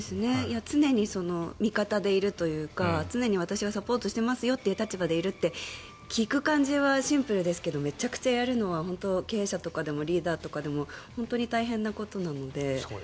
常に味方でいるというか常に私はサポートしてますよっていう立場でいるというのは聞く感じはシンプルですがめちゃくちゃ、やるのは経営者とかでもリーダーでも本当に大変なことなので。